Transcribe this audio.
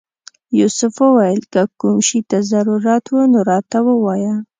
یوسف وویل که کوم شي ته ضرورت و نو راته ووایه.